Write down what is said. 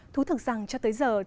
thú thực rằng cho tới giờ